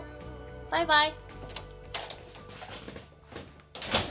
バイバイ！